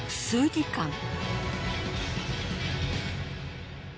数時間。